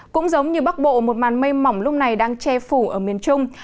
cũng giống như bắc bộ một màn mây mỏng lúc này đang che phủ ở miền trung